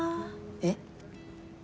えっ？